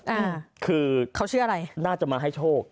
อ่าคือเขาชื่ออะไรน่าจะมาให้โชค